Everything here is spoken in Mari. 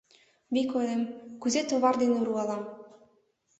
Вик ойлем, кузе товар дене руалам...